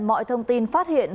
mọi thông tin phát hiện